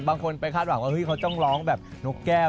บางคนไปคาดหวังว่าเขาต้องร้องแบบนกแก้ว